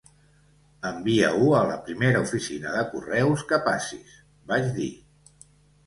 "Envia-ho a la primera oficina de correus que passis", vaig dir.